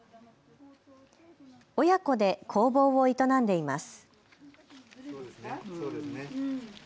親子で工房を営んでいます。